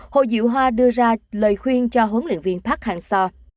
hồ dịu hoa đưa ra lời khuyên cho huấn luyện viên phát hàng so